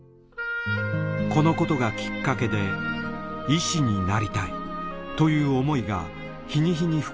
このことがきっかけで医師になりたいという思いが日に日に膨らんでいきました。